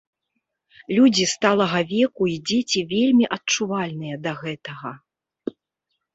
Людзі сталага веку і дзеці вельмі адчувальныя да гэтага.